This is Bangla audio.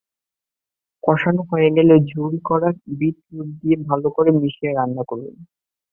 কষানো হয়ে গেলে ঝুরি করা বিটরুট দিয়ে ভালো করে মিশিয়ে রান্না করুন।